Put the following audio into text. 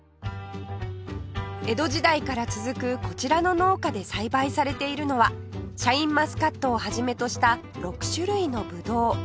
江戸時代から続くこちらの農家で栽培されているのはシャインマスカットを始めとした６種類のブドウ